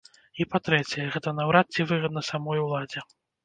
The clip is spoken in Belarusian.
І па-трэцяе, гэта наўрад ці выгадна самой уладзе.